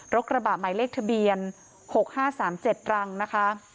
กระบะหมายเลขทะเบียน๖๕๓๗รังนะคะ